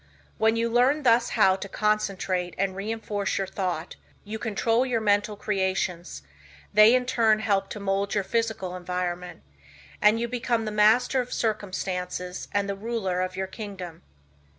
When you learn thus how to concentrate and reinforce your thought, you control your mental creations; they in turn help to mould your physical environment, and you become the master of circumstances and the ruler of your kingdom.